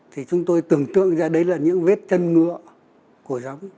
thì chúng tôi tưởng tượng ra đấy là những vết chân ngựa của gióng